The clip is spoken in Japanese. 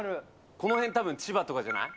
この辺、千葉とかじゃない？